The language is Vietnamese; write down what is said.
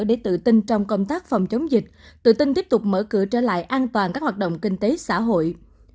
để tự tin trong công tác phòng chống dịch tự tin tiếp tục mở cửa trở lại an toàn các hoạt động kinh tế xã hội